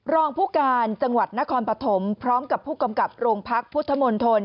รองผู้การจังหวัดนครปฐมพร้อมกับผู้กำกับโรงพักพุทธมนตร